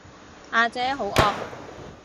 呀姐好惡